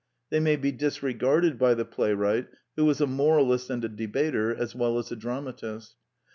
They may be disregarded by the playwright who is a moralist and a debater as well as a dramatist.